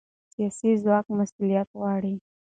سیاسي ځواک مسؤلیت غواړي